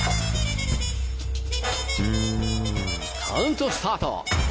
カウントスタート！